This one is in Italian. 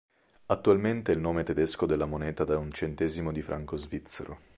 Attualmente è il nome tedesco della moneta da un centesimo di Franco svizzero.